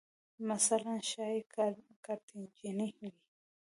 مثلاً ښایي کارتیجني وې